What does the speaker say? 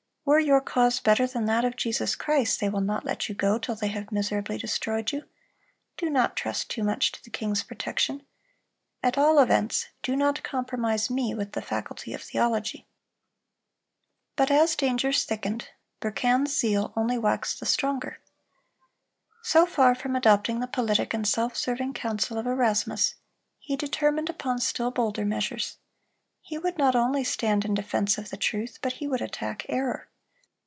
Were your cause better than that of Jesus Christ, they will not let you go till they have miserably destroyed you. Do not trust too much to the king's protection. At all events, do not compromise me with the faculty of theology."(323) But as dangers thickened, Berquin's zeal only waxed the stronger. So far from adopting the politic and self serving counsel of Erasmus, he determined upon still bolder measures. He would not only stand in defense of the truth, but he would attack error.